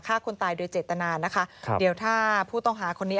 ฆ่าคนตายโดยเจตนานะคะครับเดี๋ยวถ้าผู้ต้องหาคนนี้